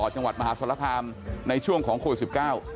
จังหวัดมหาสถานภาพภาคในช่วงของโคล๑๙